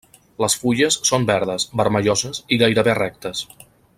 Les fulles són verdes, vermelloses i gairebé rectes.